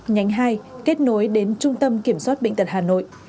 nhánh hai kết nối đến trung tâm kiểm soát bệnh tật hà nội